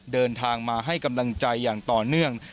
เดินทางมาให้กำลังใจอย่างต่อเนื่อง